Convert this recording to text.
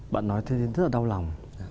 bạn nói thế thì rất là đau lòng